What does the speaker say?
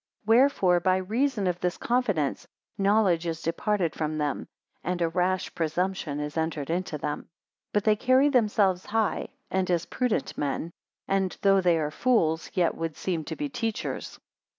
199 Wherefore, by reason of this confidence, knowledge is departed from them; and a rash presumption is entered into them. 200 But they carry themselves high, and as prudent men; and though they are fools, yet would seem to be teachers.